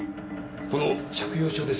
この借用書です